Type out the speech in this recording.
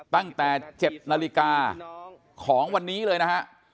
ตั้งแต่๗นาฬิกาของวันนี้เลยนะฮะ